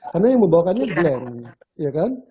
karena yang membawakannya glenn ya kan